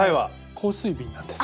香水瓶なんです。